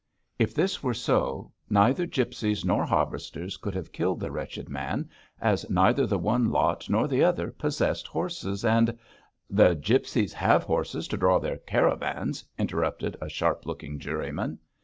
If this were so, neither gipsies nor harvesters could have killed the wretched man, as neither the one lot nor the other possessed horses and ' 'The gipsies have horses to draw their caravans!' interrupted a sharp looking juryman.